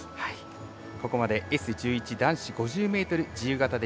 ここまでＳ１１男子５０ｍ自由形でした。